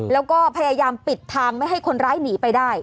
แล้วก็พยายามปิดทางไม่ให้คนร้ายหนีไปได้